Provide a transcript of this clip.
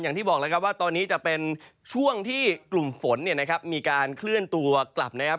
อย่างที่บอกแล้วว่าตอนนี้จะเป็นช่วงที่กลุ่มฝนมีการเคลื่อนตัวกลับนะครับ